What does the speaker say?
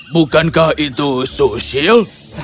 bukankah itu susil